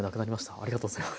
ありがとうございます。